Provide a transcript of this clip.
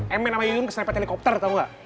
emmen sama yunin kesan pek helikopter tau nggak